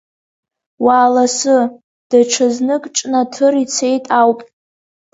Уааласы, даҽазнык ҿнаҭыр ицеит ауп.